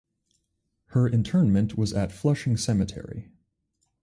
Her interment was at Flushing Cemetery.